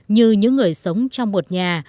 như những người sống trong một nhà